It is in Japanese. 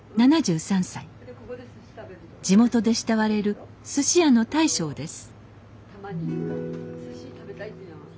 地元で慕われるすし屋の大将です